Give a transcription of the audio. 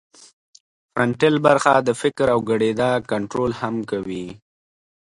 فرنټل برخه د فکر او ګړیدا کنترول هم کوي